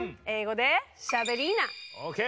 ＯＫ